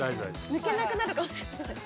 抜けなくなるかもしれない。